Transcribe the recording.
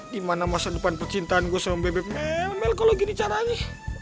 dimana masa depan percintaan gue sama bebek melmel kalo gini caranya